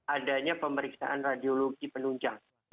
adanya pemeriksaan radiologi penunjang